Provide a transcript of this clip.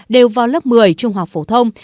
đều vào lớp một mươi trung học phổ thông